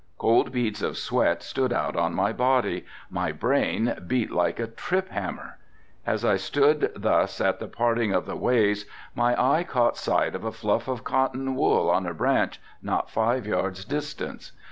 Cold beads of sweat stood out on my body, my brain beat like a trip hammer. As I stood thus at the parting of the ways my eye caught sight of a fluff of cotton wool on a branch not five yards distant.